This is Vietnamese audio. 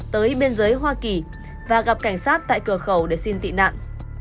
tới biên giới hoa kỳ và gặp cảnh sát tại cửa khẩu để xin tị nạn